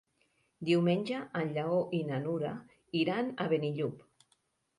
Diumenge en Lleó i na Nura iran a Benillup.